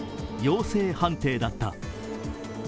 陽性判定だった。